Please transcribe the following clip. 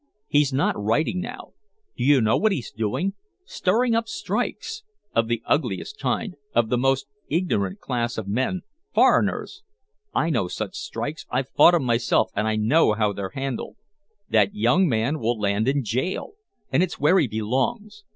He's not writing now. Do you know what he's doing? Stirring up strikes of the ugliest kind of the most ignorant class of men foreigners! I know such strikes I've fought 'em myself and I know how they're handled! That young man will land in jail! And it's where he belongs!